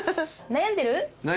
悩んでる。